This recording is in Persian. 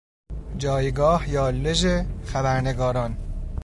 جایگاه یا لژ خبرنگاران